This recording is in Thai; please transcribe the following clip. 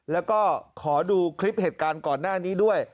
แล้วก็ขอดูคลิปเหตุการณ์ก่อนหน้านี้ด้วย